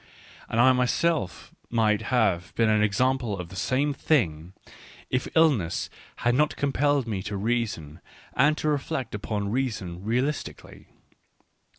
And I myself might have been an example of the same thing, if illness had not compelled me to reason, and to reflect upon reason realistically.